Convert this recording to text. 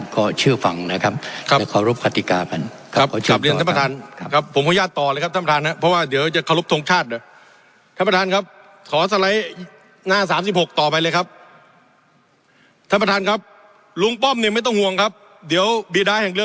ก็เชื่อฟังนะครับครับแล้วขอรุปกฎิกากัน